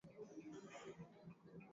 Dadangu amefika nyumbani na kulala.